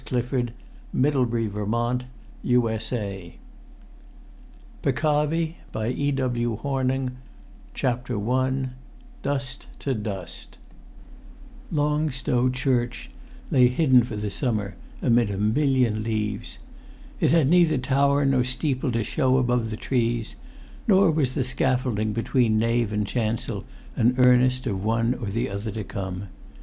The Second Time 390 XXXIII. Sanctuary 397 [Pg 1] PECCAVI I DUST TO DUST Long Stow church lay hidden for the summer amid a million leaves. It had neither tower nor steeple to show above the trees; nor was the scaffolding between nave and chancel an earnest of one or the other to come.